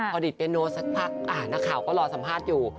พอดิตเปียโนสักพักนักข่าวก็รอสัมภาษณ์อยู่